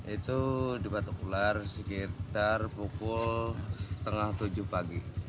itu dibatuk ular sekitar pukul setengah tujuh pagi